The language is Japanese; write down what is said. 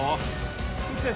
冬木先生